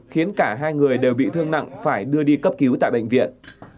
khiến cả hai người đều bị thương nặng phải đưa đi cấp cứu tại bệnh viện